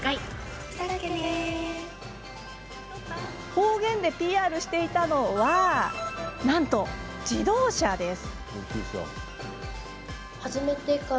方言でＰＲしていたのは自動車です。